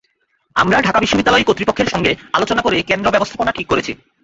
আমরা ঢাকা বিশ্ববিদ্যালয় কর্তৃপক্ষের সঙ্গে আলোচনা করে কেন্দ্র ব্যবস্থাপনা ঠিক করেছি।